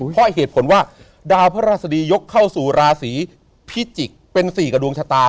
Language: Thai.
เพราะเหตุผลว่าดาวพระราชดียกเข้าสู่ราศีพิจิกษ์เป็น๔กับดวงชะตา